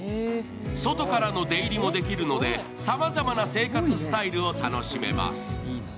外からの出入りもできるので、さまざまな生活スタイルを楽しめます。